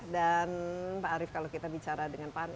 dan pak arief kalau kita bicara dengan pak arief